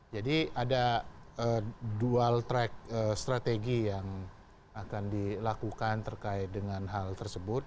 jadi ada dual track strategi yang akan dilakukan terkait dengan hal tersebut